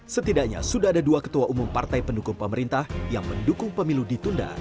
setidaknya sudah ada dua ketua umum partai pendukung pemerintah yang mendukung pemilu ditunda